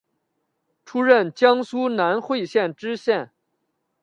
出任江苏南汇县知县。